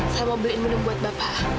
saya mau beliin minum buat bapak